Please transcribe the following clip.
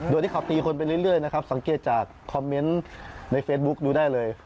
โดยที่เขาตีคนไปเรื่อยนะครับสังเกตจากคอมเมนต์ในเฟซบุ๊คดูได้เลย